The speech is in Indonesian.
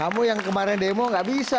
kamu yang kemarin demo gak bisa